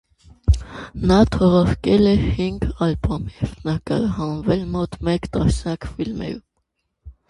Նա թողարկել է հինգ ալբոմ և նկարահանվել մոտ մեկ տասնյակ ֆիլմերում։